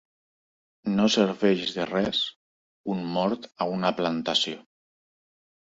No serveix de res un mort a una plantació.